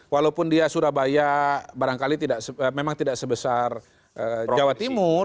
walaupun dia surabaya barangkali memang tidak sebesar jawa timur